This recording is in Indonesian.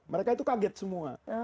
mereka itu kaget semua